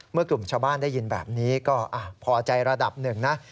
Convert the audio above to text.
กลุ่มชาวบ้านได้ยินแบบนี้ก็พอใจระดับหนึ่งนะ